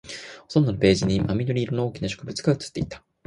ほとんどのページに真緑色の大きな植物が写っていた